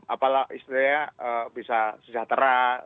apalagi istilahnya bisa sejahtera